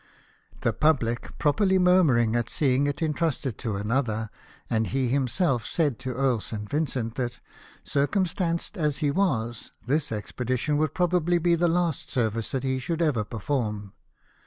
The public properly murmured at seeing it entrusted to another, and he himself said to Earl St. Vincent that, circumstanced as he was, this expedition would probably be the last service that he should ever perform.